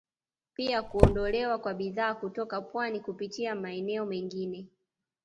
Pia kuondolewa kwa bidhaa kutoka pwani kupitia maeneo mengine